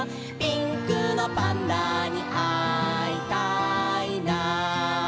「ピンクのパンダにあいたいな」